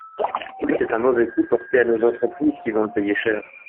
C’est un mauvais coup porté à nos entreprises qui vont le payer cher.